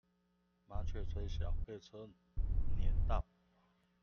麻雀雖小，被車輾到